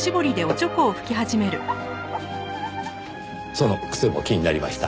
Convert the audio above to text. その癖も気になりました。